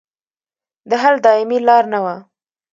د حل دایمي لار نه وه.